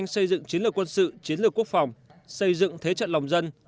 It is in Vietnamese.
xây dựng chiến lược quân sự chiến lược quốc phòng xây dựng thế trận lòng dân